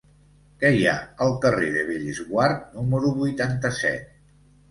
Què hi ha al carrer de Bellesguard número vuitanta-set?